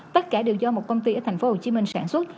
tất cả đều do một công ty ở thành phố hồ chí minh sản xuất